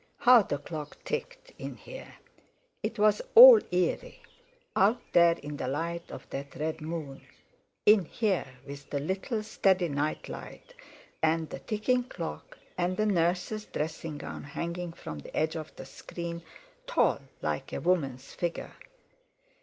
How the clock ticked, in here! It was all eerie—out there in the light of that red moon; in here with the little steady night light and, the ticking clock and the nurse's dressing gown hanging from the edge of the screen, tall, like a woman's figure.